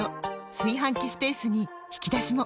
炊飯器スペースに引き出しも！